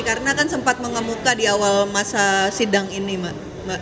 karena kan sempat mengemuka di awal masa sidang ini mbak